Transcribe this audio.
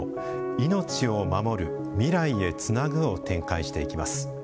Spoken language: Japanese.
「命をまもる未来へつなぐ」を展開していきます。